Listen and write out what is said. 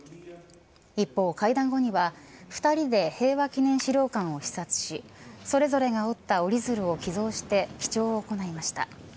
一方、会談後には２人で平和記念資料館を視察しそれぞれが折った折り鶴を寄贈して記帳を行いました。